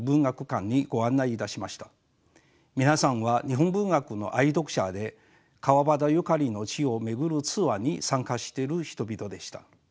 皆さんは日本文学の愛読者で川端ゆかりの地を巡るツアーに参加している人々でした。